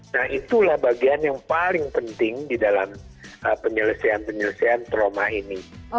nah itulah bagian yang paling penting di dalam penyelesaian penyelesaian trauma ini